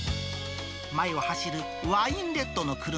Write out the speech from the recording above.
前を走るワインレッドの車。